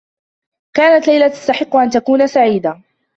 كانت ليلى تستحقّ أن تكون سعيدة.